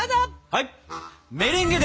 はい。